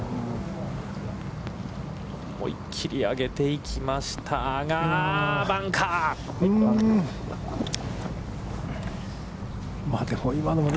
思いっ切り上げていきましたが、バンカーか。